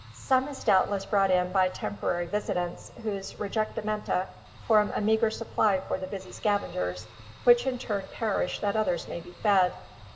Some is doubtless brought in by temporary visitants whose rejectamenta form a meager supply for the busy scavengers which in turn perish that others may be fed.